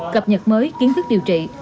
cập nhật mới kiến thức điều trị